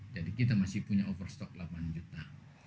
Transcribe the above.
jadi kita masih punya over stok delapan juta